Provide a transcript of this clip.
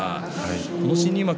この新入幕